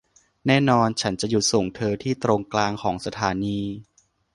แน่นอน ฉันจะหยุดส่งเธอที่ตรงกลางของสถานี